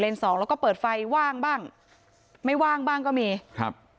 สองแล้วก็เปิดไฟว่างบ้างไม่ว่างบ้างก็มีครับ